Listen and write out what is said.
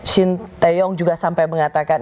shin taeyong juga sampai mengatakan